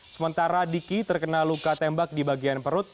sementara diki terkena luka tembak di bagian perut